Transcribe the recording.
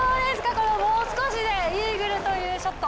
このもう少しでイーグルというショット。